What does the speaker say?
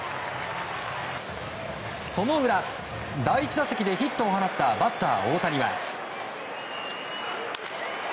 その裏、第１打席でヒットを放ったバッター大谷は。